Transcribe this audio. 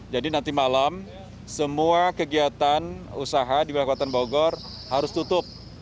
jadi nanti malam semua kegiatan usaha di kabupaten bogor harus tutup